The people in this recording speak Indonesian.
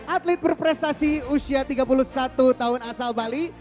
atlet berprestasi usia tiga puluh satu tahun asal bali